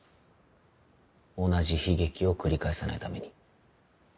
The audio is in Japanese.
同じ悲劇を繰り返さないために。